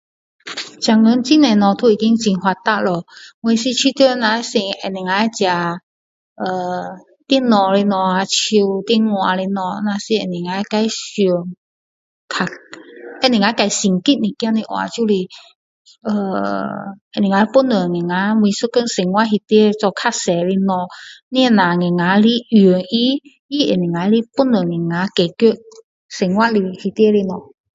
现在很多东西都已经很发达了我是觉得我们那是能够这呃电脑的东西手电话的东西啊如果能够上更能够更升级一点的话就是呃能够帮助我们每一天生活里面做太多的东西不只我们能够用它也能够帮助我们解决生活里的东西